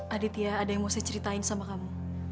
aditya ada yang mau saya ceritain sama kamu